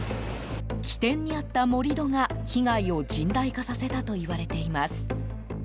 起点にあった盛り土が被害を甚大化させたといわれています。